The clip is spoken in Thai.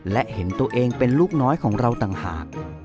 และเห็นตัวเองเป็นลูกน้อยของเราต่างหาก